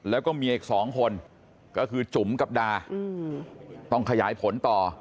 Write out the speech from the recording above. แล้วก็เมียอีก๒คนก็คือจุ๋มกับดาต้องขยายผลต่อ